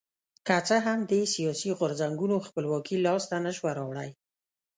که څه هم دې سیاسي غورځنګونو خپلواکي لاسته نه شوه راوړی.